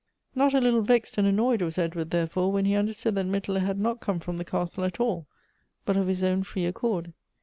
Not a little vexed and annoyed was Edw.ard, therefore, when he understood that Mittler had not come from the castle at all, but of his own free accord.